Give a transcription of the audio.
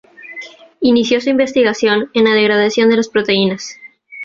Inició su investigación en la degradación de las proteínas.